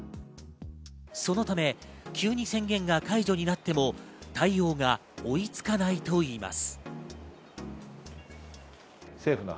そのため、急に宣言が解除になっても対応が追いつかないといいます。